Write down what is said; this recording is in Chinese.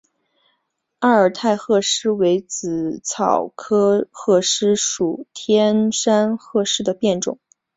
阿尔泰鹤虱为紫草科鹤虱属天山鹤虱的变种。